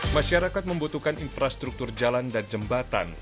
masyarakat membutuhkan infrastruktur jalan dan jembatan